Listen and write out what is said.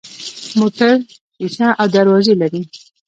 موټر شیشه او دروازې لري.